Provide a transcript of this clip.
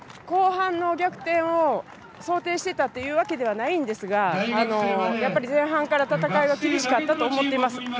後半の逆転を想定してたというわけではないんですがやっぱり前半から戦いは厳しかったと思っています。